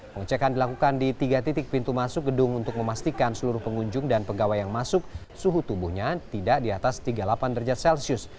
pengecekan dilakukan di tiga titik pintu masuk gedung untuk memastikan seluruh pengunjung dan pegawai yang masuk suhu tubuhnya tidak di atas tiga puluh delapan derajat celcius